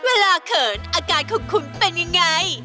เขินอาการของคุณเป็นยังไง